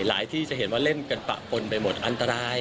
ที่จะเห็นว่าเล่นกันปะปนไปหมดอันตราย